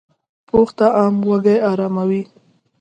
پوخ طعام وږې اراموي